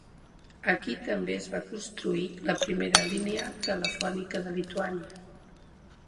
Aquí també es va construir la primera línia telefònica de Lituània.